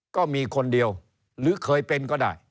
ก็มีคนเดียวหรือเคยเป็นก็ได้